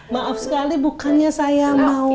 maaf sekali bukannya saya mau